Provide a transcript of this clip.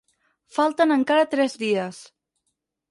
Falten encara tres dies.